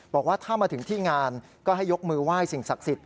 บอกว่าถ้ามาถึงที่งานก็ให้ยกมือไหว้สิ่งศักดิ์สิทธิ